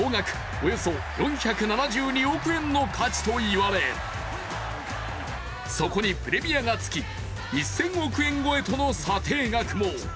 およそ４７２億円の価値と言われそこにプレミアがつき１０００億円超えとの査定額も。